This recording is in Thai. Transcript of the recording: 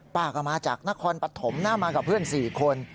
ป้าก็มาจากนครปฐมนะมากับเพื่อน๔คน